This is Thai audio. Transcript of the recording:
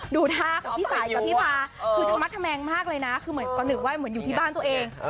ดูท่าของพี่สายกับพี่ป้าคือทะมัดทะแมงมากเลยนะคือเหมือนก่อนหนึ่งว่าอยู่ที่บ้านตัวเอง